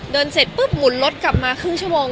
เสร็จปุ๊บหมุนรถกลับมาครึ่งชั่วโมง